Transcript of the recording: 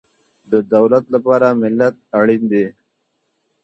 د دولت لپاره ملت اړین دی